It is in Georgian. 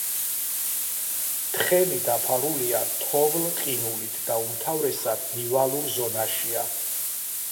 თხემი დაფარულია თოვლ-ყინულით და უმთავრესად ნივალურ ზონაშია.